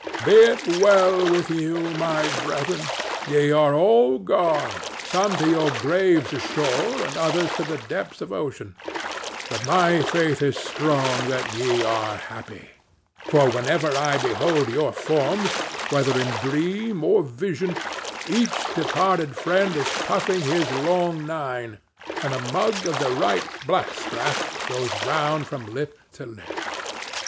—Be it well with you, my brethren! Ye are all gone—some to your graves ashore and others to the depths of ocean—but my faith is strong that ye are happy; for whenever I behold your forms, whether in dream or vision, each departed friend is puffing his long nine, and a mug of the right blackstrap goes round from lip to lip.